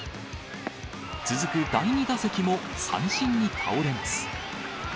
続く第２打席も三振に倒れます。